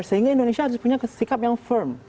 sehingga indonesia harus punya sikap yang firm